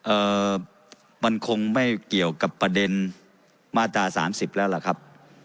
เอ่อมันคงไม่เกี่ยวกับประเด็นมาตราสามสิบแล้วล่ะครับ